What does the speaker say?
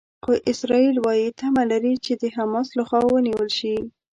خو اسرائیل وايي تمه لري چې د حماس لخوا نیول شوي.